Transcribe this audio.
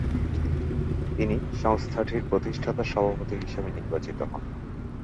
তিনি সংস্থাটির প্রতিষ্ঠাতা সভাপতি হিসেবে নির্বাচিত হন।